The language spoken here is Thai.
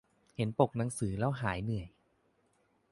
เห็นปกหนังสือแล้วหายเหนื่อย